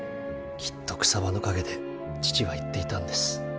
きっと草葉の陰で父は言っていたんです。